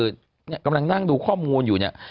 ว่ากำลังนั่งดูข้อมูลอยู่เนี่ย